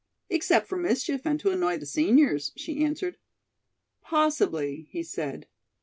"Except for mischief and to annoy the seniors," she answered. "Possibly," he said.